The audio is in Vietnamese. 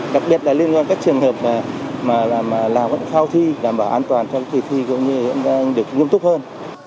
đặc biệt là liên quan các trường hợp mà làm kháo thi đảm bảo an toàn cho kỳ thi cũng như được nghiêm túc hơn